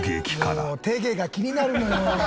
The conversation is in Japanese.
もう手毛が気になるのよ。